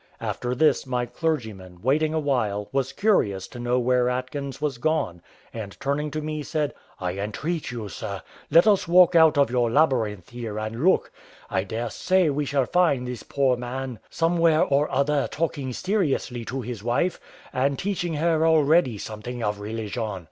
After this, my clergyman, waiting a while, was curious to know where Atkins was gone, and turning to me, said, "I entreat you, sir, let us walk out of your labyrinth here and look; I daresay we shall find this poor man somewhere or other talking seriously to his wife, and teaching her already something of religion."